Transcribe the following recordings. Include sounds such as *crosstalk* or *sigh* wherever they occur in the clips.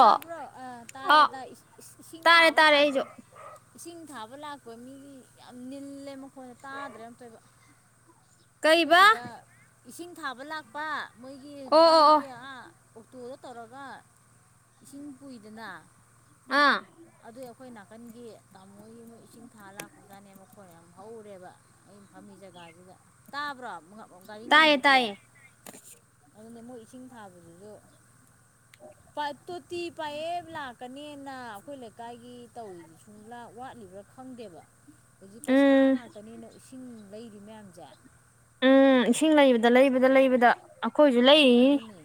ꯇꯥꯕ꯭ꯔꯣ ꯑꯥ ꯑ ꯇꯥꯏꯌꯦꯗ ꯏꯁꯤꯡ ꯇꯥꯔꯦ ꯊꯥꯕ ꯇꯥꯔꯦ ꯂꯥꯛꯄ ꯑꯩꯁꯨ ꯏꯁꯤꯡ ꯁꯥꯕ ꯂꯥꯛꯄ ꯃꯤꯗꯤ ꯌꯥꯝ ꯅꯤꯜꯂꯦ ꯃꯈꯣꯏꯅ ꯇꯥꯗ꯭ꯔꯦ ꯑꯃꯝ ꯇꯣꯏꯕ ꯑꯩꯈꯣꯏ ꯀꯩꯕ ꯁꯤꯗ ꯏꯁꯤꯡ ꯊꯥꯕ ꯂꯥꯛꯄ ꯃꯣꯏꯒꯤ ꯑꯣ ꯑꯣ ꯑꯣ ꯍꯧꯖꯤꯛꯀꯥꯟꯒꯤ ꯇꯨꯔ ꯇꯧꯔꯒ ꯏꯁꯤꯡ ꯀꯏꯗꯅ ꯑꯥ ꯑꯗꯨꯏ ꯑꯩꯈꯣꯏ ꯅꯥꯀꯟꯒꯤ ꯇꯥꯃꯣꯒꯤ ꯃꯣꯏ ꯏꯁꯤꯡ ꯊꯥ ꯂꯥꯛꯄꯖꯥꯅꯦ ꯃꯈꯣꯏ ꯑꯃ ꯍꯧꯔꯦꯕ ꯑꯩ ꯐꯝꯃꯤ ꯖꯒꯥꯁꯤꯗ ꯇꯥꯕ꯭ꯔꯣ ꯑꯃꯨ ꯑꯣ ꯒꯥꯔꯤ ꯇꯥꯏꯌꯦ ꯉꯪꯕꯒꯤ ꯇꯥꯏꯌꯦ ꯑꯗꯨꯅ ꯃꯣꯏ ꯏꯁꯤꯡ ꯊꯥꯕꯗꯨꯁꯨ ꯄ ꯇꯣꯇ ꯄꯑ ꯂꯥꯛꯀꯅꯤ ꯏꯅꯥ ꯑꯩꯈꯣꯏ ꯂꯩꯀꯥꯏꯒꯤ ꯇꯧꯔꯤꯗꯨ ꯁꯨꯝ ꯋꯥꯠꯂꯤꯕ꯭ꯔꯥ ꯈꯪꯗꯦꯕ ꯍꯧꯖꯤꯛ ꯄꯩꯁꯥ ꯎꯝ ꯉꯥꯛꯇꯅꯦꯅ ꯏꯁꯤꯡ ꯂꯩꯔꯤ ꯃꯌꯥꯝꯁꯦ ꯎꯝ ꯏꯁꯤꯡ ꯂꯩꯕꯗ ꯄꯩꯁꯥ ꯂꯩꯕꯗ ꯂꯩꯕꯗ ꯑꯩꯈꯣꯏꯁꯨ ꯂꯩ ꯑꯗꯨꯅꯦ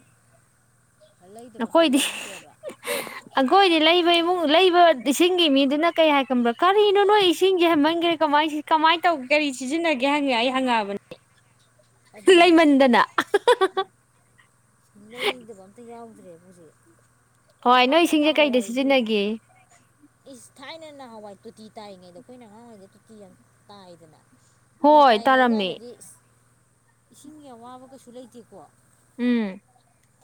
ꯂꯩꯗꯕ ꯑꯝꯇ ꯑꯩꯈꯣꯏꯗꯤ ꯌꯥꯎꯗꯦꯕ ꯑꯩꯈꯣꯏꯗꯤ ꯂꯩꯕ ꯏꯃꯨꯡ ꯂꯩꯕ ꯏꯁꯤꯡꯒꯤ ꯃꯤꯗꯨꯅ ꯀꯩ ꯍꯥꯏꯒꯕ꯭ꯔꯥ ꯀꯔꯤꯅꯣ ꯅꯣꯏ ꯏꯁꯤꯡꯁꯦ ꯍꯥꯏꯃꯟꯈ꯭ꯔꯦ ꯀ ꯀꯃꯥꯏꯅ ꯇꯧꯒꯦ ꯀꯔꯤ ꯁꯤꯖꯤꯟꯅꯒꯦ ꯍꯪꯉꯦ ꯑꯩ ꯍꯪꯉꯛꯕꯅꯦ ꯑꯗꯨꯅꯦ ꯂꯩꯃꯟꯗꯅ ꯂꯩꯗꯕ ꯑꯝꯇ ꯌꯥꯎꯗ꯭ꯔꯦꯕꯨꯖꯤꯛ ꯍꯣꯏ ꯅꯣꯏ ꯏꯁꯤꯡꯁꯦ ꯀꯩꯗ ꯁꯤꯖꯤꯟꯅꯒꯦ ꯏꯁ ꯊꯥꯏꯅ ꯅꯍꯥꯟꯋꯥꯏ ꯇꯣꯇꯤ ꯇꯥꯏꯉꯩꯗ ꯑꯩꯈꯣꯏꯅ ꯑꯉꯥꯡꯔꯤꯉꯩꯗ ꯇꯣꯇꯤ ꯌꯥꯝ ꯇꯥꯏꯗꯅ ꯎ ꯍꯣꯏ ꯇꯥꯔꯝꯃꯦ ꯇꯥꯏꯅꯩꯀꯥꯟꯗꯗꯤ ꯏꯁꯤꯡꯒꯤ ꯑꯋꯥꯕ ꯀꯩꯁꯨ ꯂꯩꯇꯦꯀꯣ ꯎꯝ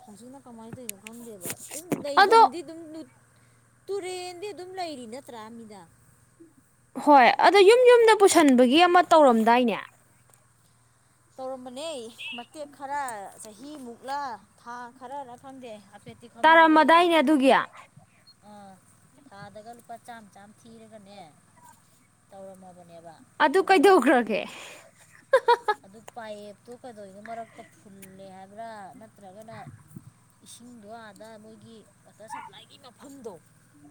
ꯃꯁꯤꯅ ꯀꯃꯥꯏꯅ ꯇꯧꯔꯤꯅꯣ ꯈꯪꯗꯦꯕ ꯑꯗꯨꯝ ꯑꯗꯣ ꯂꯩꯐꯝꯗꯤ ꯑꯗꯨꯝ ꯇꯨꯔꯦꯟꯗꯤ ꯑꯗꯨꯝ ꯂꯩꯔꯤ ꯅꯠꯇ꯭ꯔꯥ ꯃꯤꯗ ꯍꯣꯏ ꯑꯗꯣ ꯌꯨꯝ ꯌꯨꯝꯗ ꯄꯨꯁꯟꯕꯒꯤ ꯑꯃ ꯇꯧꯔꯝꯗꯥꯏꯅꯦ ꯇꯧꯔꯝꯕꯅꯦ ꯃꯇꯦꯛ ꯈꯔ ꯆꯍꯤꯃꯨꯛꯂ ꯊꯥ ꯈꯔꯔ ꯈꯪꯗꯦ ꯍꯥꯏꯐꯦꯠꯇꯤ ꯈꯪꯍꯧꯋꯦ ꯑꯩꯁꯨ ꯇꯥꯔꯃꯗꯥꯏꯅꯦ ꯑꯗꯨꯒꯤ ꯑꯥ ꯊꯥꯗꯒ ꯂꯨꯄꯥ ꯆꯥꯝꯃ ꯆꯥꯝ ꯊꯤꯔꯒꯅꯦ ꯇꯧꯔꯝꯃꯕ ꯑ ꯑꯗꯨ ꯀꯩꯗꯒ꯭ꯔꯣꯒꯦ ꯑꯗꯨ ꯄꯥꯏꯞꯇꯨ ꯀꯩꯗꯧꯉꯩ ꯃꯔꯛꯇ ꯐꯨꯜꯂꯦ ꯍꯥꯏꯕ꯭ꯔꯥ ꯅꯠꯇ꯭ꯔꯒꯅ ꯏꯁꯤꯡꯗꯣ ꯑꯥꯗ ꯃꯣꯏꯒꯤ ꯋꯥꯇꯔ ꯁꯄ꯭ꯂꯥꯏꯒꯤ ꯃꯐꯝꯗꯣ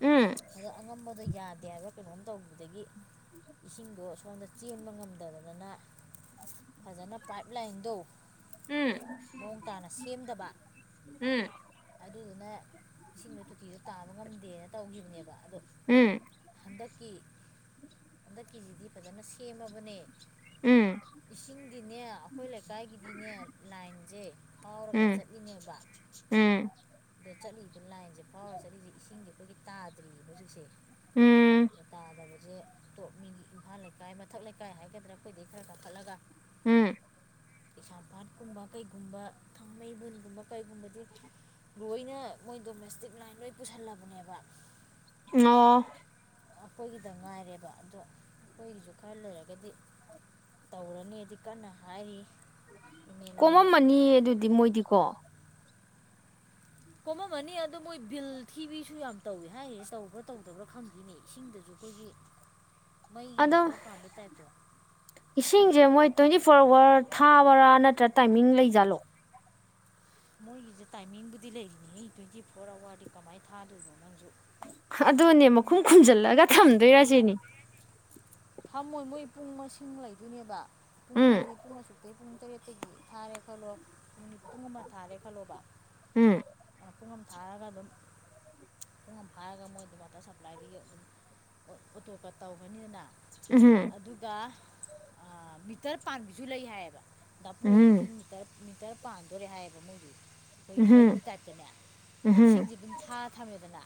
ꯎꯝ ꯑꯗꯣ ꯑꯉꯝꯕꯗꯣ ꯌꯥꯗ ꯑꯗꯤꯌꯥꯒ ꯀꯩꯅꯣꯝ ꯇꯧꯕꯗꯒꯤ ꯏꯁꯤꯡꯗꯣ ꯁꯣꯝꯗ ꯆꯦꯟꯕ ꯉꯝꯗꯗꯗꯅ ꯐꯖꯅ ꯄꯥꯏꯞ ꯂꯥꯏꯟꯗꯣ ꯎꯝ ꯃꯑꯣꯡ ꯇꯥꯅ ꯁꯦꯝꯗꯕ ꯎꯝ ꯑꯗꯨꯗꯨꯅ ꯏꯁꯤꯡꯗꯣ ꯇꯣꯇꯤꯗꯣ ꯇꯥꯕ ꯉꯝꯗꯦꯅ ꯇꯧꯈꯤꯕꯅꯦꯕ ꯑꯗꯣ ꯎꯝ ꯍꯟꯗꯛꯀꯤ ꯍꯟꯗꯛꯀꯤꯁꯤꯗꯤ ꯐꯖꯅ ꯁꯦꯝꯃꯕꯅꯦ ꯎꯝ ꯏꯁꯤꯡꯒꯤꯗꯤꯅꯦ ꯑꯩꯈꯣꯏ ꯂꯩꯀꯥꯏꯒꯤꯗꯤꯅꯦ ꯂꯥꯏꯟꯁꯦ ꯐꯥꯎꯔꯒ ꯎꯝ ꯆꯠꯂꯤꯅꯦꯕ ꯎꯝ *inaudible* ꯆꯂꯤ ꯂꯥꯏꯟꯁꯦ ꯐꯥꯎꯔ ꯆꯠꯂꯤꯁꯦ ꯏꯁꯤꯡꯁꯦ ꯑꯩꯈꯣꯏꯒꯤ ꯇꯥꯗ꯭ꯔꯤꯑ ꯍꯧꯖꯤꯛꯁꯦ ꯎꯝ ꯑꯗ ꯇꯥꯗꯕ ꯁꯦ ꯇꯣꯞ ꯃꯤꯒꯤ ꯏꯝꯐꯥꯜ ꯂꯩꯀꯥꯏ ꯃꯊꯛ ꯂꯩꯀꯥꯏ ꯍꯥꯏꯒꯗ꯭ꯔꯥ ꯑꯩꯈꯣꯏꯗꯒꯤ ꯈꯔ ꯀꯥꯈꯠꯂꯒ ꯀꯩꯤꯁꯥꯝꯄꯥꯥꯠꯀꯨꯝꯕ ꯀꯩꯒꯨꯝꯕ ꯊꯥꯡꯃꯩꯕꯨꯟꯒꯨꯝꯕ ꯀꯩꯒꯨꯝꯕꯗꯤ ꯂꯣꯏꯅ ꯃꯣꯏ ꯗꯣꯃꯦꯁꯇꯤꯛ ꯂꯥꯏꯟ ꯂꯣꯏ ꯄꯨꯁꯤꯜꯂꯕꯅꯦꯕ ꯑꯣ *inaudible* ꯑꯩꯈꯣꯏꯒꯤꯗ ꯉꯥꯏꯔꯦꯕ ꯑꯗꯣ ꯑꯩꯈꯣꯏꯒꯤꯁꯨ ꯈꯔ ꯂꯩꯔꯒꯗꯤ ꯇꯧꯔꯅꯤꯗꯤ ꯀꯟꯅ ꯍꯥꯏꯔꯤ ꯑꯦꯝ ꯑꯦꯜ ꯑꯦ ꯀꯣꯝꯃꯝꯃꯅꯤ ꯑꯗꯨꯗꯤ ꯃꯣꯏꯗꯤꯀꯣ ꯀꯣꯝꯃꯝꯃꯅꯤ ꯑꯗꯨꯗ ꯃꯣꯏ ꯕꯤꯜ ꯊꯤꯕꯤꯁꯨ ꯌꯥꯝ ꯇꯧꯏꯤ ꯍꯥꯏꯔꯤꯁꯦ ꯇꯧꯕ꯭ꯔꯥ ꯇꯧꯗꯕ꯭ꯔꯥ ꯈꯪꯗ꯭ꯔꯤꯅꯦ ꯏꯁꯤꯡꯗꯁꯨ ꯀꯨꯒꯤ ꯑꯗꯣ ꯏꯁꯤꯡꯖꯦ ꯃꯣꯏ ꯇ ꯐꯔꯋꯥꯔ ꯊꯥꯕꯔꯥ ꯅꯠꯇ꯭ꯔꯥ ꯇꯥꯏꯃꯤꯡ ꯂꯩꯖꯥꯠꯂꯣ ꯃꯣꯏꯒꯤꯁꯦ ꯇꯥꯏꯃꯤꯡꯕꯨꯗꯤ ꯂꯩꯔꯤꯅꯤ ꯇ꯭ꯋꯦꯟꯇꯤ ꯐꯣꯔ ꯑꯋꯥꯔꯗꯤ ꯀꯃꯥꯏꯅ ꯊꯥꯗꯣꯏꯅꯣ ꯅꯪꯁꯨ ꯑꯗꯨꯅꯦ ꯄꯨꯡ ꯃꯈꯨꯝ ꯈꯨꯝꯟꯖꯤꯜꯂꯒ ꯊꯝꯗꯣꯏꯔꯁꯤꯦꯅꯦ ꯐꯝꯃꯣꯏ ꯃꯣꯏ ꯄꯨꯡ ꯂꯩꯗꯣꯏꯅꯦꯕ ꯄꯨꯡ ꯎꯝ ꯑꯗꯤ ꯄꯨꯡ ꯑꯁꯨꯨꯛꯇꯤ ꯄꯨꯡ ꯇꯔꯦꯠꯇꯒꯤ ꯊꯥꯔꯦ ꯈꯜꯂꯣ ꯠ ꯄꯨꯡ ꯑꯃ ꯊꯥꯔꯦ ꯈꯜꯂꯣꯕ ꯎꯝ ꯄꯨꯡ ꯑꯃ ꯊꯥꯔꯒꯗꯝ *unintelligible* *inaudible* ꯝ ꯐꯥꯔꯒ ꯃꯣꯏ ꯑꯗꯨꯝ ꯋꯥꯇꯔ ꯁꯄ꯭ꯂꯥꯏꯗꯒꯤ ꯑꯗꯨꯝ ꯑꯣꯇꯣꯄꯦ ꯇꯧꯒꯅꯤꯗꯅ ꯎꯝ ꯑꯗꯨꯒ ꯃꯤꯇꯔ ꯄꯕꯤꯁꯨ ꯂꯩ ꯍꯥꯏꯌꯦꯕ ꯎꯝ ꯄꯣꯏꯒꯤꯁꯤꯇꯔ ꯃꯤꯇꯔ ꯄꯥꯟꯗꯣꯔꯦ ꯍꯥꯏꯌꯦꯕ ꯃꯣꯏꯗꯤ ꯑꯩꯈꯣꯏꯒꯤ ꯎꯝ ꯃꯩꯒꯤ ꯇꯥꯏꯞꯇꯅꯦ ꯎꯝ ꯏꯁꯤꯡꯁꯦ ꯑꯗꯨꯝ ꯊꯥꯔ ꯊꯝꯃꯦꯗꯅ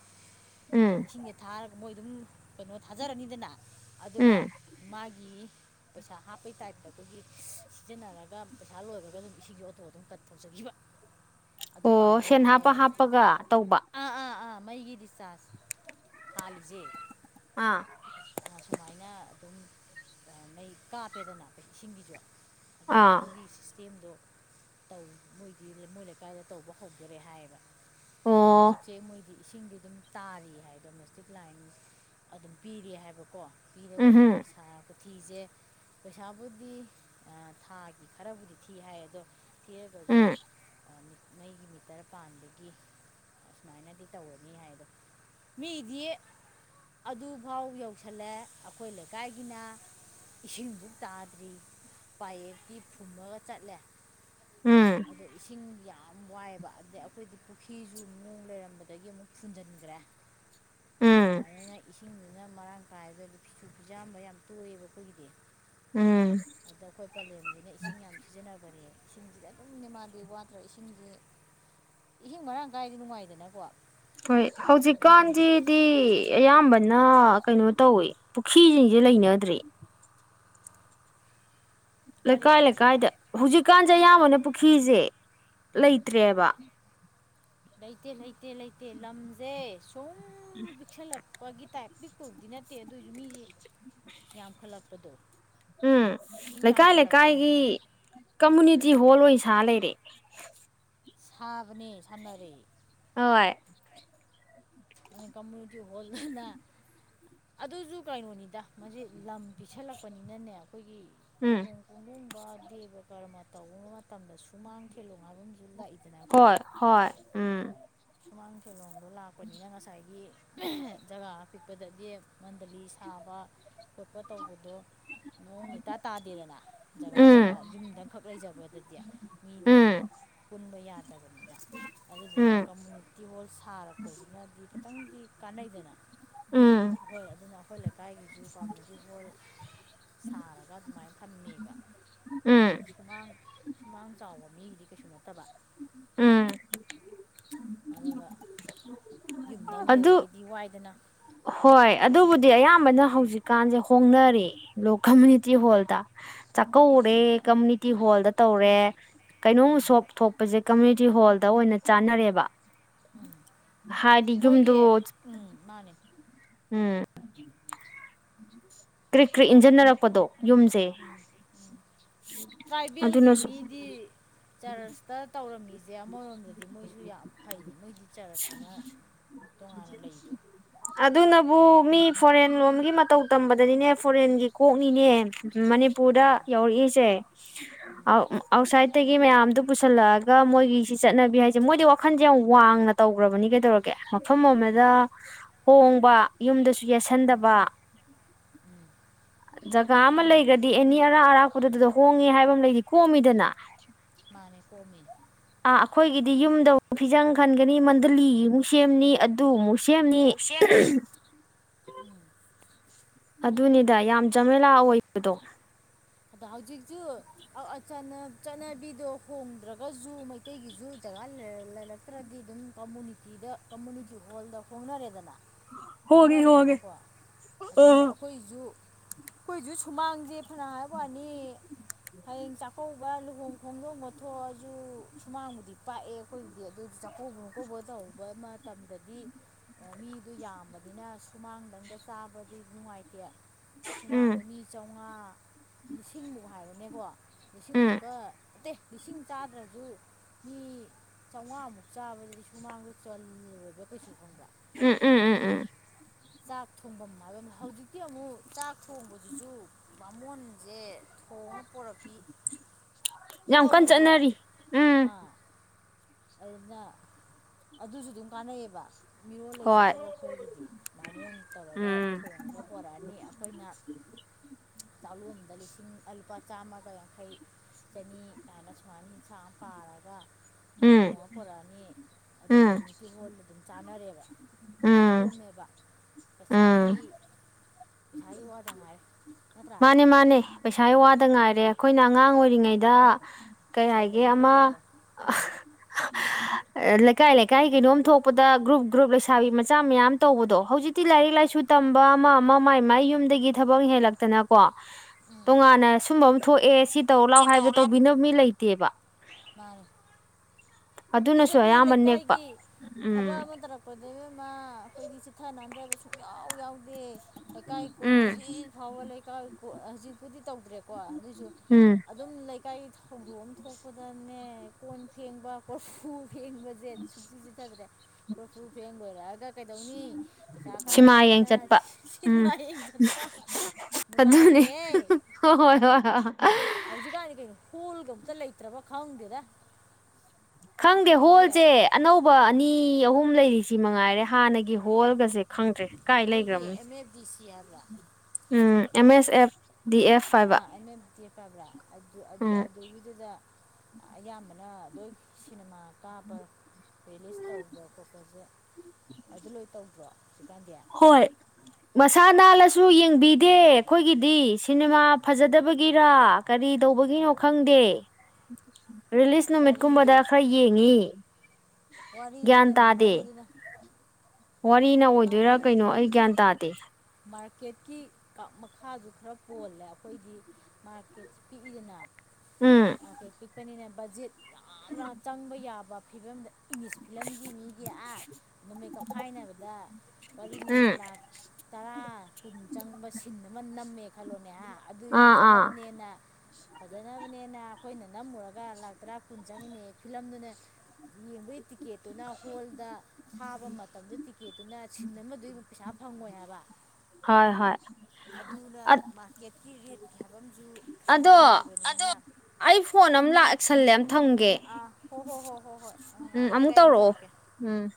ꯎꯝ ꯏꯁꯤꯡꯁꯦ ꯊꯥꯔꯒ ꯃꯣꯏ ꯑꯗꯨꯝ ꯀꯩꯅꯣ ꯊꯥꯖꯔꯅꯤꯗꯅ ꯑꯗꯨꯒ ꯎꯝ ꯃꯥꯒꯤ ꯎ *inaudible* ꯄꯩꯁꯥ ꯍꯥꯞꯄꯩ ꯇꯥꯏꯞꯇ ꯑꯩꯈꯣꯏꯒꯤ ꯁꯤꯖꯤꯟꯅꯔꯒ ꯄꯩꯁꯥ ꯂꯣꯏꯔꯒ ꯑꯗꯨꯝ ꯏꯁꯤꯡꯒꯤ ꯑꯣꯇꯣ ꯑꯗꯨꯝ ꯀꯠ ꯇꯧꯖꯈꯤꯕ ꯑꯗꯨ ꯑꯣ ꯄꯥꯟꯗꯣꯔꯦ ꯁꯦꯟ ꯍꯥꯞꯄ ꯍꯥꯏꯌꯦꯕ ꯍꯥꯞꯄꯒ ꯇꯧꯕ ꯑꯥ ꯑꯥ ꯑꯥ ꯃꯩꯒꯤ ꯗꯤ ꯆꯥꯁ ꯍꯥꯥꯜꯂꯤꯁꯦ ꯑꯥ ꯑ ꯑꯩꯅ ꯑꯗꯨꯝ ꯃꯩ ꯀꯥꯞꯄꯦꯗꯅ ꯑꯩꯈꯣꯏ ꯏꯁꯤꯡꯒꯤꯁꯨ ꯑꯗꯣ ꯑꯥ ꯑꯗꯨꯒꯤ ꯁꯤꯁꯇꯦꯝꯗꯣ ꯃꯣꯏꯗꯤ ꯃꯣꯏ ꯂꯩꯀꯥꯏꯗ ꯇꯧꯕ ꯍꯧꯗꯔꯦ ꯍꯥꯏꯌꯦꯕ ꯑꯣ ꯔꯖꯤꯛꯁꯦ ꯃꯣꯏꯗꯤ ꯏꯁꯤꯡꯗꯤ ꯑꯗꯨꯝ ꯇꯥꯔꯤ ꯍꯥꯏ ꯗꯣꯃꯦꯁꯇꯤꯛ ꯂꯥꯏꯟ ꯑꯗꯨꯝ ꯄꯤꯔꯤ ꯍꯥꯏꯕꯀꯣ ꯄꯤꯔꯒꯖꯣ ꯎꯝꯍꯝ ꯄꯁꯥ ꯊꯤꯁꯦ ꯄꯩꯁꯥꯕꯨꯗꯤ ꯊꯥꯒꯤ ꯈꯔꯕꯨꯗꯤ ꯊꯤ ꯍꯥꯏ ꯑꯗꯣ ꯊꯤꯔꯒꯁꯨ ꯎꯝ ꯅꯒꯤ ꯃꯤꯇꯔ ꯄꯥꯟꯕꯗꯒꯤ ꯑꯁꯨꯃꯥꯏꯅꯗꯤ ꯇꯧꯔꯅꯤ ꯍꯥꯏꯗꯣ ꯃꯤꯗꯤ ꯑꯗꯨꯐꯥꯎ ꯌꯧꯁꯤꯜꯂꯦ ꯑꯩꯈꯣꯏ ꯂꯩꯀꯥꯏꯒꯤꯅ ꯏꯁꯤꯡꯗꯨꯛ ꯇꯥꯗ꯭ꯔꯤ ꯄꯥꯏꯞꯇꯤ ꯐꯨꯝꯃꯒ ꯆꯠꯂꯦ ꯎꯝ ꯑꯗꯣ ꯏꯁꯤꯡ ꯌꯥꯝ ꯌꯥꯝ ꯋꯥꯏꯑꯕ ꯑꯗꯩ ꯑꯩꯈꯣꯏꯗꯤ ꯄꯨꯈ꯭ꯔꯤꯁꯨ ꯅꯨꯡꯅꯨꯡ ꯂꯩꯔꯝꯕꯗꯒꯤ ꯑꯃꯨꯛ ꯐꯨꯟꯖꯤꯟꯈ꯭ꯔꯦ ꯎꯝ ꯏꯁꯤꯡꯗꯨꯅ ꯑꯗꯨꯅ ꯃꯔꯥꯡ ꯀꯥꯏꯒꯗꯤ ꯐꯤꯁꯨ ꯐꯤꯖꯥꯝꯕ ꯌꯥꯝ ꯇꯣꯛꯑꯦꯕ ꯑꯩꯈꯣꯏꯒꯤꯗꯤ ꯎꯝ ꯑꯗ ꯑꯩꯈꯣꯏ ꯄꯂꯦꯝꯁꯤꯅ ꯏꯁꯤꯡ ꯌꯥꯝ ꯁꯤꯖꯤꯟꯅꯕꯅꯦ ꯏꯁꯤꯡꯁꯤꯗꯤ ꯑꯗꯨꯝꯅꯦ ꯃꯥꯗꯤ ꯋꯥꯠꯇ꯭ꯔ ꯏꯁꯤꯡꯁꯤ ꯏꯍꯤꯡ ꯃꯔꯥꯡ ꯀꯥꯏꯗꯤ ꯅꯨꯡꯉꯥꯏꯗꯅꯀꯣ ꯍꯣꯏ ꯅꯣꯡ ꯍꯧꯖꯤꯛꯀꯥꯟꯁꯤꯗꯤ ꯑꯌꯥꯝꯕꯅ ꯅ ꯀꯩꯅꯣ ꯇꯧꯋꯦ ꯄꯨꯈ꯭ꯔꯤꯁꯤꯡꯁꯦ ꯂꯩꯅꯗ꯭ꯔꯔꯤ ꯂꯩ ꯀꯔꯤ ꯀꯥꯏ ꯂꯩ ꯀꯥꯏꯗꯦ ꯍꯧꯨꯖꯤꯛ ꯖꯤꯀꯥꯟꯁꯦ ꯑꯌꯥꯝꯕꯅ ꯄꯨꯈ꯭ꯔꯤꯁꯦ ꯎꯝ ꯂꯩꯇ꯭ꯔꯦꯕ ꯂꯩꯇꯦ ꯂꯩꯇꯦ ꯂꯩꯇꯦ ꯂꯝꯁꯦ ꯁꯨꯝ ꯄꯤꯛꯁꯜꯂꯛꯄꯒꯤ ꯇꯥꯏꯞ ꯄꯤꯛ ꯇꯔꯗꯤ ꯅꯠꯇꯦ ꯑꯗꯨꯑꯣꯏꯁꯨ ꯃꯤꯁꯦ ꯌꯥꯝꯈꯠꯂꯛꯄꯗꯣ ꯎꯝ ꯃꯤ ꯂꯩꯀꯥꯏ ꯂꯩꯀꯥꯏꯒꯤ ꯌꯥꯝꯈꯠꯂꯛꯄꯅꯤꯅ ꯀꯃꯨꯅꯤꯇꯤ ꯁꯤ ꯍꯣꯜ ꯑꯣꯏ ꯁꯥ ꯂꯩꯔꯦ ꯁꯥꯕꯅꯦ ꯁꯥꯟꯅꯔ ꯍꯣꯏ ꯑ ꯀꯃꯨꯅꯤꯇꯤ ꯍꯣꯜꯗ ꯑꯗꯨꯁꯨ ꯀꯩꯅꯣꯅꯤꯗ ꯃ ꯂꯝ ꯄꯤꯁꯜꯂꯛꯄꯅꯤꯅꯅꯦ ꯑꯩꯈꯣꯏꯒꯤ ꯎꯝ ꯂꯨꯍꯣꯡ ꯈꯣꯡꯗꯣꯡꯕ ꯗꯦꯕ ꯀꯔꯃ ꯇ ꯃꯇꯝꯗ ꯁꯨꯃꯥꯡꯈꯤꯜꯂꯨ ꯍꯣꯏ ꯍꯣꯏ ꯎꯝ ꯁꯨꯃꯥꯡ ꯁꯂꯣꯡꯗꯣ ꯂꯥꯛꯄꯅꯤꯅ ꯉꯁꯥꯏꯒꯤ ꯖꯒꯥ ꯑ ꯄꯤꯛꯄꯗꯗꯤ ꯃꯟꯗꯂꯤ ꯁꯥꯕ ꯈꯣꯠꯄ ꯇꯧꯕꯗꯣ ꯅꯣꯡ ꯃꯇꯥ ꯇꯥꯗꯦꯗꯅ ꯖꯒꯥ ꯎꯝ ꯖꯒꯥ ꯌꯨꯝꯗ ꯈꯛ ꯂꯩꯖꯕꯗꯗꯤ ꯃꯤꯗꯣ ꯎꯝ ꯄꯨꯟꯕ ꯌꯥꯗꯕꯅꯤꯅ ꯑꯗꯨꯗꯨꯅ ꯀꯝꯃꯨꯅꯤꯇꯤ ꯍꯣꯜ ꯁꯥꯔꯛꯄꯁꯤꯅꯗꯤ ꯈꯤꯇꯪꯗꯤ ꯀꯥꯟꯅꯩꯗꯅ ꯎꯝ ꯎꯝ ꯍꯣꯏ ꯑꯗꯨꯅ ꯑꯩꯈꯣꯏ ꯂꯩꯀꯥꯏꯒꯤꯁꯨ ꯄꯥꯝꯃꯤꯗꯨ ꯍꯣꯏ ꯁꯥꯔꯒ ꯑꯗꯨꯃꯥꯏꯅ ꯊꯝꯃꯦꯕ ꯎꯝ ꯁꯨꯃꯥꯡ ꯁꯨꯃꯥꯡ ꯆꯥꯎꯕ ꯃꯤꯒꯤꯗꯤ ꯀꯩꯁꯨ ꯅꯠꯇꯕ ꯎꯝ ꯑꯗꯨꯒ ꯌꯨꯝꯗꯪ ꯑꯗꯨ ꯂꯩꯕꯒꯤꯗꯤ ꯋꯥꯏꯗꯅ ꯍꯣꯏ ꯑꯗꯨꯕꯨꯗꯤ ꯑꯌꯥꯝꯕꯅ ꯍꯧꯖꯤꯛꯀꯥꯟꯁꯦ ꯍꯣꯡꯅꯔꯤ ꯂ ꯀꯝꯃꯨꯅꯤꯇꯤ ꯍꯣꯜꯗ ꯆꯥꯛꯀꯧꯔꯦ ꯀꯝꯃꯨꯅꯤꯇꯤ ꯍꯣꯜꯗ ꯇꯧꯔꯦ ꯀꯩꯅꯣꯝ ꯁꯣꯛ ꯊꯣꯛꯄꯁꯦ ꯀꯝꯃꯌꯨꯅꯤꯇꯤ ꯍꯣꯜꯗ ꯑꯣꯏꯅ ꯆꯥꯟꯅꯔꯦꯕ ꯎꯝ ꯃꯣꯏꯒꯤ ꯌꯨꯝꯗꯣ ꯎꯝ ꯃꯥꯅꯦ ꯎꯝ ꯀ꯭ꯔꯤꯛ ꯀ꯭ꯔꯤ ꯏꯟꯁꯤꯟꯅꯔꯛꯄꯗꯣ ꯁꯤ *inaudible* ꯎꯝ ꯇ꯭ꯔꯥꯏꯕꯦꯜꯒꯤ ꯃꯤꯗꯤ ꯆꯔꯁꯇ ꯇꯧꯔꯝꯃꯤꯁꯦ ꯑꯦ ꯑꯃꯔꯣꯝꯗꯗꯤ ꯃꯣꯏꯁꯨ ꯌꯥꯝ ꯐꯩꯅꯤ ꯃꯣꯏꯗꯤ ꯆꯔꯁꯅ ꯑ *inaudible* ꯑꯗꯨꯅꯕꯨ ꯃꯤ ꯐꯣꯔꯦꯟ ꯂꯣꯝꯒꯤ ꯃꯇꯧ ꯇꯝꯕꯗꯗꯤꯅꯦ ꯐꯣꯔꯦꯟꯒꯤ ꯀꯣꯛꯅꯤꯅꯦ ꯃꯅꯤꯄꯨꯔ ꯎꯝ ꯎꯝ *unintelligible* *inaudible* ꯁꯤ ꯆꯠꯅꯕꯤ ꯍꯥꯏꯁꯦ ꯃꯣꯏꯗꯤ ꯋꯥꯈꯟꯁꯦ ꯌꯥꯝ ꯋꯥꯡꯅ ꯇꯧꯈ꯭ꯔꯕꯅꯤ ꯀꯩꯗꯧꯔꯒꯦ ꯃꯐꯝ ꯑꯃꯗ ꯍꯣꯡꯕ ꯌꯨꯝꯗꯁꯨ ꯎꯝ ꯌꯦꯠꯁꯤꯟꯗꯕ ꯎꯝ ꯖꯒꯥ ꯑꯃ ꯃꯥꯅꯦ ꯂꯩꯈ꯭ꯔꯗꯤ ꯑꯦꯅꯤ ꯑꯔꯥꯞ ꯑꯔꯥꯄꯗ ꯑꯗꯨꯗ ꯍꯣꯡꯉꯦ ꯍꯥꯏꯕ ꯑꯃ ꯂꯩꯗꯤ ꯀꯣꯝꯃꯤꯗꯅ ꯃꯥꯅꯦ ꯀꯣꯃꯤꯜ ꯑꯥ ꯑꯩꯈꯣꯏꯒꯤꯗꯤ ꯌꯨꯝꯗꯨꯛ ꯐꯤꯖꯪ ꯈꯟꯒꯅꯤ ꯃꯟꯗꯂꯤꯃꯨꯛ ꯁꯦꯝꯅꯤ ꯑꯗꯨꯃꯨꯛ ꯁꯦꯝꯅꯤ ꯑꯃꯨꯛ ꯁꯦꯝ ꯎꯝ ꯑꯗꯨꯅꯤꯗ ꯌꯥꯝ ꯆꯃꯦꯂꯥ ꯑꯣꯏꯕꯗꯣ ꯑꯗ ꯍꯧꯖꯤꯛꯁꯨ ꯆꯠꯅꯕꯤꯗꯣ ꯍꯣꯡꯗ꯭ꯔꯒꯁꯨ ꯃꯩꯇꯩꯒꯤꯁꯨ ꯆ ꯂꯩꯔꯛꯇ꯭ꯔꯗꯤ ꯑꯗꯨꯝ ꯀꯝꯃꯨꯅꯤꯇꯤꯗ ꯀꯝꯃꯨꯅꯤꯇꯤ ꯍꯣꯜꯗ ꯍꯣꯡꯅꯔꯦꯗꯅ ꯍꯣꯡꯉꯦ ꯍꯣꯡꯉꯦ ꯀꯧꯅꯔꯗꯅꯀꯣ ꯑꯗꯨꯅꯦ ꯑꯥ ꯑꯩꯈꯣꯏꯁꯨ ꯀꯣꯏꯁꯨ ꯁꯨꯃꯥꯡꯁꯦ ꯐꯅ ꯍꯥꯏ ꯋꯥꯅꯤ ꯎ *inaudible* ꯍꯌꯦꯡ ꯆꯥꯛꯀꯧꯕ ꯂꯨꯍꯣꯡ ꯈꯣꯡꯗꯣꯡꯕ ꯊꯣꯛꯑꯁꯨ ꯁꯨꯃꯥꯡꯕꯨꯗꯤ ꯄꯥꯛꯑꯦ ꯑꯩꯈꯣꯏꯕꯨꯗꯤ ꯑꯗꯨꯏꯗꯤ ꯆꯥꯛꯀꯧꯕ ꯈꯀ ꯇꯧꯕ ꯃꯇꯝꯗꯗꯤ ꯃꯤꯗꯨꯣ ꯌꯥꯝꯕꯅꯤꯅ ꯁꯨꯃꯥꯡꯗꯪꯒ ꯆꯥꯕꯗꯤ ꯅꯨꯡꯉꯥꯏꯇꯦ ꯎꯝ ꯁꯨꯃꯥꯡꯗ ꯃꯤ ꯆꯥꯝꯃꯉꯥ ꯂꯤꯁꯤꯡꯃꯨꯛ ꯍꯥꯏꯕꯅꯦꯀꯣ ꯎꯝ ꯂꯤꯁꯤꯡꯃꯨꯛꯀ ꯑꯠꯇꯦ ꯂꯤꯁꯤꯡ ꯆꯥꯗ꯭ꯔꯁꯨ ꯃꯤ ꯆꯥꯝꯃꯉꯥꯃꯨꯛ ꯆꯥꯕꯁꯤꯗꯗꯤ ꯁꯨꯃꯥꯡꯗꯣ ꯆꯜꯂꯕ꯭ꯔꯥ ꯀꯩꯁꯨ ꯑꯗꯨꯒꯨꯝꯕ ꯎꯝ ꯎꯝ ꯎꯝ ꯑꯗꯒꯤ ꯎꯝ ꯆꯥꯛ ꯊꯣꯡꯐꯝ ꯍꯥꯏꯕ ꯑꯃ ꯍꯧꯖꯤꯛꯇꯤ ꯑꯃꯨꯛ ꯆꯥꯛ ꯊꯣꯡꯕꯁꯤꯁꯨ ꯃꯕꯥꯃꯣꯟꯁꯦ ꯊꯣꯡꯉ ꯄꯨꯣꯔꯛꯄꯤ ꯌꯥꯝ ꯀꯟꯅ ꯇꯧꯗ꯭ꯔꯣ ꯆꯠꯅꯔꯤ ꯎꯝ ꯑꯥ ꯑꯗꯨꯅ ꯑꯗꯨꯁꯨ ꯑꯗꯨꯝ ꯀꯥꯟꯅꯩꯌꯦꯕ ꯃꯤꯔꯣꯜ ꯍꯣꯏ ꯂꯩꯖꯗꯕ ꯑꯩꯈꯣꯏꯒꯤꯗꯤ ꯃꯃꯣꯟ ꯇꯧꯔꯒ ꯎꯝ ꯊꯣꯡꯉꯕ ꯄꯣꯔꯛꯑꯅꯤ ꯑꯩꯈꯣꯏꯅ *unintelligible* *inaudible* ꯗ ꯂꯤꯁꯤꯡ ꯂꯨꯄꯥ ꯆꯥꯝꯃꯒ ꯌꯥꯡꯈꯩ ꯆꯅꯤ ꯍꯥꯏꯅ ꯁꯨꯃꯥꯏꯅ ꯌꯦꯟꯁꯥꯡ ꯑꯃ ꯄꯥꯔꯒ ꯎꯝ ꯊꯣꯡꯉ ꯄꯨꯣꯔꯛꯑꯅꯤ ꯑꯗꯨ ꯎꯝ ꯀꯝꯃꯨꯅꯤꯇꯤ ꯍꯣꯜꯗ ꯑꯗꯨꯝ ꯆꯥꯅꯔꯦꯕ ꯌꯥꯝ ꯎꯝ ꯀꯣꯝꯃꯦꯕ ꯎꯝ ꯄꯩꯁꯥꯒꯤ ꯄꯩꯁꯥꯒꯤ ꯋꯥꯗ ꯍꯥꯏ ꯅꯠꯇ꯭ꯔꯥ ꯄꯩꯁꯥ ꯋꯥꯗ ꯉꯥꯏꯔꯦ ꯑꯩꯈꯣꯏꯅ ꯑꯉꯥꯡ ꯑꯣꯏꯔꯤꯉꯩꯗ ꯀꯩ ꯁꯦꯜ ꯍꯥꯏꯒꯦ ꯂꯩꯔꯗꯤ ꯑꯃ ꯂꯣꯏ ꯌꯥꯔꯦ *unintelligible* *inaudible* ꯂꯩꯀꯥꯏ ꯂꯩꯀꯥꯏ ꯀꯩꯅꯣꯝ ꯊꯣꯛꯄꯗ ꯒ꯭ꯔꯨꯞ ꯒ꯭ꯔꯨꯞ ꯂꯩꯁꯥꯕꯤ ꯃꯆꯥ ꯃꯌꯥꯝ ꯇꯧꯕꯗꯣ ꯍꯧꯖꯤꯛꯇꯤ ꯂꯥꯏꯔꯤꯛ ꯂꯥꯏꯁꯨ ꯇ ꯇꯝꯕ ꯃꯥꯃ ꯃꯥꯏ ꯃꯥꯏ ꯌꯨꯝ ꯊꯕꯛ ꯍꯂꯛꯇꯅꯀꯣ ꯎꯝ ꯇꯣꯉꯥꯟꯅ ꯁꯨꯝꯕ ꯊꯣꯛꯑꯦ ꯇꯧ ꯂꯥꯛꯑꯣ ꯁꯤ ꯍꯥꯏꯕꯗ ꯂꯥꯎ ꯇꯧꯕꯤꯅꯕ ꯃꯤ ꯂꯩꯇꯦꯕ ꯁꯤꯗ ꯑꯗꯨꯅꯁꯨ ꯑꯩꯈꯣꯏ ꯑꯌꯥꯝꯕ ꯅꯦꯛꯄ ꯂꯩꯀꯥꯏꯒꯤ ꯊꯕꯛ ꯎꯝ ꯑꯃ ꯇꯧꯔꯛꯄꯅꯦ ꯃ ꯑꯩꯈꯣꯏꯗꯤ ꯆꯤꯊ ꯅꯥꯟꯊꯕ ꯁꯨꯡ ꯌꯥꯎ ꯌꯥꯎꯗꯦ ꯂꯩꯀꯥꯏ ꯀꯣꯟ ꯎꯝ ꯍꯧꯖꯤꯛ ꯐꯥꯎꯕ ꯂꯩꯀꯥꯏ ꯍꯧꯖꯤꯛꯄꯨꯗꯤ ꯇꯧꯗ꯭ꯔꯦꯀꯣ ꯑꯗꯨꯏꯁꯨ ꯎꯝ ꯑꯗꯨꯝ ꯂꯩꯀꯥꯏꯒꯤ ꯊꯧꯗꯣꯛ ꯑꯃ ꯊꯣꯛꯄꯗꯅꯦ ꯀꯣꯟ ꯐꯦꯡꯕ ꯀꯣꯔꯐꯨ ꯐꯦꯡꯕꯁꯦ ꯁꯨꯡ ꯆꯠꯊꯕꯅꯦ ꯄꯣꯐ ꯐꯦꯡ ꯂꯣꯏꯔꯛꯑꯒ ꯀꯩꯗꯧꯅꯤ ꯄꯩꯁꯥ ꯈꯔ ꯄꯤꯨꯅꯤ ꯍꯌꯦꯡ ꯆꯠꯄ ꯎꯝ ꯑꯗꯨꯅꯤ ꯅꯨꯡꯉꯥꯏꯕꯅꯦꯍꯦ ꯍ ꯍꯣꯏ ꯍꯣꯏ ꯍꯣꯏ ꯍꯣꯏ ꯍꯧꯖꯤꯛꯀꯥꯟꯗꯤ ꯀꯩꯅꯣ ꯍꯣꯜꯒ ꯑꯝꯇ ꯂꯩꯇ꯭ꯔꯕ ꯈꯪꯗꯦꯗ ꯈꯪꯗꯦ ꯃꯣꯏꯒꯤ ꯍꯣꯜꯁꯦ ꯑꯅꯧꯕ ꯑꯅꯤ ꯑꯍꯨꯝ ꯂꯩꯔꯤꯁꯤ ꯃꯉꯥꯏꯔꯦ ꯍꯥꯟꯅꯒꯤ ꯍꯣꯜꯒꯁꯦ ꯈꯪꯗ꯭ꯔꯦ ꯀꯥꯏ ꯃꯣꯏꯒꯤ ꯂꯩꯈ꯭ꯔꯕꯅꯣ ꯑꯦꯝ ꯑꯦꯐ ꯗꯤ ꯁꯤ ꯍꯥꯏꯕ꯭ꯔꯥ um M S F D F ꯍꯥꯏꯕ ꯑꯥ ꯑꯩꯅꯕꯨꯗꯤꯦꯛ ꯐꯕ꯭ꯔꯥ ꯑꯗꯨ ꯎꯝ ꯑꯗꯨꯒꯤꯗꯨꯗ ꯑꯌꯥꯝꯕꯅ ꯂꯣꯏ ꯁꯤꯅꯦꯃꯥ ꯀꯥꯞꯄ ꯔꯤꯂꯤꯁ ꯇꯧꯕ ꯈꯣꯠꯄꯁꯦ ꯑꯗꯨ ꯂꯣꯏ ꯇꯗ꯭ꯔꯣ ꯍꯣꯏ ꯁꯥ ꯀꯅꯥꯜꯂꯁꯨ ꯌꯦꯡꯕꯤꯗꯦ ꯑꯩꯈꯣꯏꯒꯤꯗꯤ ꯁꯤꯅꯦꯃꯥ ꯐꯖꯗꯕꯒꯤꯔ ꯀꯔꯤ ꯇꯧꯕꯒꯤꯅꯣ ꯈꯪꯗꯦ ꯔꯤꯂꯤꯁ ꯅꯨꯃꯤꯠ ꯋꯥꯔꯤꯗꯣ ꯀꯨꯝꯕꯗ ꯈꯔ ꯌꯦꯡꯉ ꯋꯥꯔꯤꯗꯨꯅꯅꯤ ꯋꯥꯔꯤꯗꯨꯅ ꯋꯥꯔꯤꯅ ꯑꯣꯏꯗꯣꯏꯔꯥ ꯍꯥꯏꯗꯤ ꯀ꯭ꯌꯥꯟ ꯇꯇ ꯃꯥꯔꯀꯦꯠꯀꯤ ꯀꯞ ꯃꯈꯥꯁꯨ ꯈꯔ ꯄꯣꯜꯂꯦ ꯑꯩꯈꯣꯏꯗꯤ ꯃꯥꯔꯀꯦꯠꯁ ꯄꯤꯛꯏꯗꯅ ꯎꯝ ꯀ ꯄꯤꯛꯄꯅꯤꯅ ꯕꯖꯤꯦꯠ ꯌꯥꯝꯅ ꯆꯪꯕ ꯌꯥꯕ ꯐꯤꯕꯝꯗ ꯏꯪꯂꯤꯁ ꯐꯤꯂꯝꯒꯤ ꯃꯤꯒꯤ ꯑꯥ ꯅꯃꯠ ꯀꯧꯈꯥꯏꯅꯕꯗ ꯋꯥꯔꯤꯅꯤ ꯎꯝ ꯂꯥ ꯇꯔꯥ ꯀꯨꯟ ꯆꯪꯕ ꯁꯤꯟ ꯑꯃ ꯅꯝꯃꯦ ꯈꯜꯂꯣꯅꯦ ꯍꯥ ꯑꯗꯨꯗꯤ ꯑꯥ ꯑꯥ ꯐꯖꯅꯕꯅꯦꯅ ꯐꯖꯅꯕꯅꯦꯅ ꯑꯩꯈꯣꯏꯅ ꯅꯝꯃꯨꯔꯒ ꯂꯥꯛ ꯇꯔꯥ ꯀꯨꯟ ꯆꯪꯉꯤꯅꯦ ꯐꯤꯂꯝꯗꯨꯅꯦ ꯌꯦꯕꯣꯏ ꯇꯤꯛꯀꯦꯠꯇꯨꯅ ꯍꯣꯜꯗ ꯊꯥꯕ ꯃꯇꯝꯗꯨ ꯇꯤꯛꯀꯦꯠꯇꯨꯅ ꯁꯤꯟ ꯑꯃꯗꯨꯏ ꯄꯩꯁꯥ ꯐꯪꯉꯣꯏ ꯍꯥꯏꯕ ꯍꯣꯏ ꯍꯣꯏ ꯑꯗꯨꯅ ꯃꯥꯔꯀꯦꯠꯀꯤ ꯔꯦꯠꯀꯤ ꯍꯥꯏꯕ ꯑꯃꯁꯝꯨ ꯑꯗꯣ ꯂꯩꯕ ꯑ ꯑꯩ ꯐꯣꯟ ꯑꯃ ꯂꯥꯛꯁꯜꯂꯦ ꯊꯝꯒꯦ ꯑꯥ ꯍꯣ ꯍꯣ ꯍꯣ ꯍꯣ ꯍꯣꯏ ꯎ ꯎꯝ ꯑꯃꯨꯛ ꯂꯩꯦꯒꯥꯏꯝ ꯇꯧꯔꯛꯑꯣ ꯇꯔꯛꯀꯦ ꯎꯝ